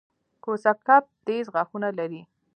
کوسه کب تېز غاښونه لري